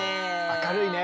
明るいね。